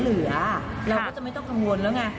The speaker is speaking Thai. เหลือเราก็จะไม่ต้องกังวลแล้วไง